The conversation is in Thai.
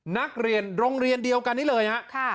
นักเรียนโรงเรียนเดียวกันนี้เลยฮะ